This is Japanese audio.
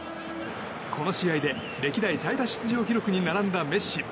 この試合で歴代最多出場記録に並んだ、メッシ。